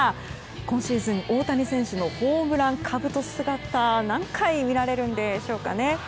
今シーズン、大谷選手のホームランかぶと姿何回見られるんでしょうかね。